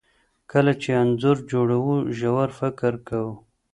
کله چې انځور جوړوو ژور فکر کوو.